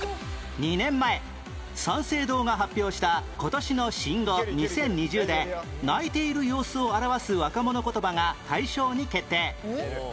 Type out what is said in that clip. ２年前三省堂が発表した「今年の新語２０２０」で泣いている様子を表す若者言葉が大賞に決定